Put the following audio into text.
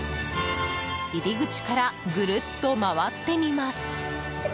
入り口からぐるっと回ってみます。